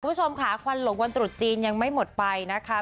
คุณผู้ชมค่ะควันหลงวันตรุษจีนยังไม่หมดไปนะคะ